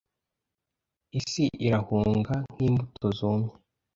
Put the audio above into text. isi irahunga nk'imbuto zumye